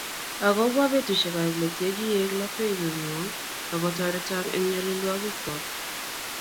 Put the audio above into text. Akobwa betushek ab let ye kiek lapkeyengwong akotoritok eng nyalilwogik kwok